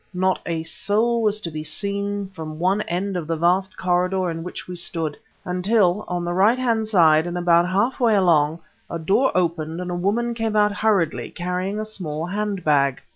Not a soul was to be seen from end to end of the vast corridor in which we stood ... until on the right hand side and about half way along, a door opened and a woman came out hurriedly, carrying a small hand bag.